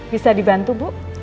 bisa dibantu bu